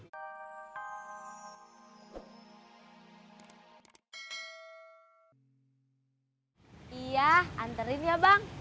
iya anterin ya bang